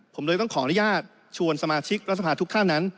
ผมเลยต้องขออนุญาตชวนสมาชิกรัฐสภาทุกท่านนั้น